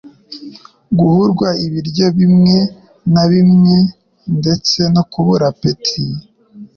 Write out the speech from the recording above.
Guhurwa ibiryo bimwe na bimwe ndetse no kubura appetit